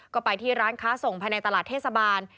ก็ไปที่ร้านค้าส่งภายในตลาดเทศบาล